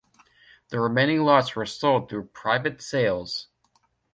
The remaining lots were sold through private sales.